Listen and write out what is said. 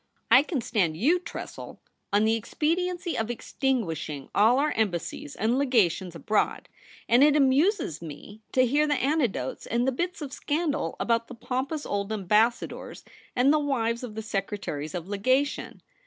1 can stand you, Tressel, on the expediency of extinguishing all our embassies and legations abroad, and it amuses me to hear the anecdotes and the bits of scandal about the pompous old ambassadors and the wives of the secretaries of legation.